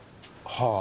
はあ。